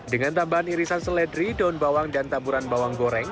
dengan tambahan irisan seledri daun bawang dan taburan bawang goreng